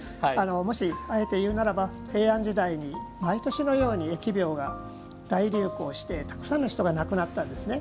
もし、あえて言うならば平安時代に毎年のように疫病が大流行してたくさんの人が亡くなったんです。